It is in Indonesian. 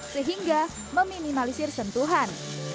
sehingga meminimalisir sentuhan